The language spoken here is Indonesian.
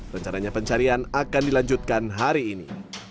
rencananya pencarian akan dilanjutkan hari ini